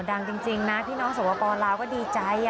อ๋อดังจริงนะพี่น้องสปปรลาวก็ดีใจ